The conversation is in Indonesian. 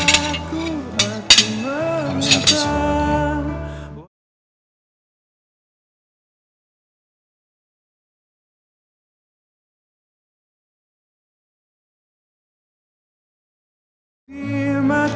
kamu siapin siapin ya